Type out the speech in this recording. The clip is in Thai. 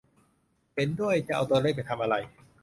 เห็นด้วย จะเอาตัวเลขไปทำอะไร